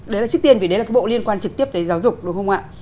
đấy là trước tiên vì đấy là cái bộ liên quan trực tiếp tới giáo dục đúng không ạ